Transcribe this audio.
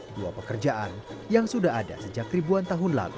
dua pekerjaan yang sudah ada sejak ribuan tahun lalu